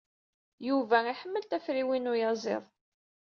Yuba iḥemmel tafriwin n uyaziḍ.